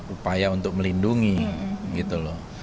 upaya untuk melindungi gitu loh